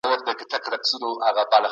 سپکې وسلې پاکستان ته صادرې شوې.